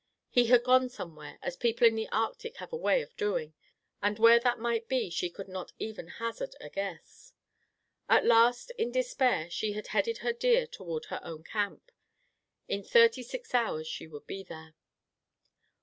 He had gone somewhere, as people in the Arctic have a way of doing; and where that might be she could not even hazard a guess. At last, in despair, she had headed her deer toward her own camp. In thirty six hours she would be there.